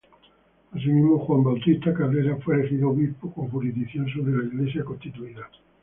Asimismo, Juan Bautista Cabrera fue elegido obispo con jurisdicción sobre la Iglesia constituida.